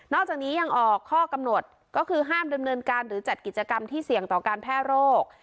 จากนี้ยังออกข้อกำหนดก็คือห้ามดำเนินการหรือจัดกิจกรรมที่เสี่ยงต่อการแพร่โรค